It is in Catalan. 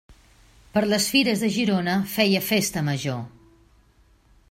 Per les Fires de Girona feia festa major.